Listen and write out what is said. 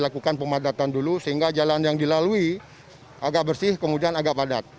lakukan pemadatan dulu sehingga jalan yang dilalui agak bersih kemudian agak padat